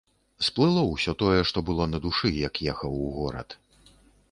Сплыло ўсё тое, што было на душы, як ехаў у горад.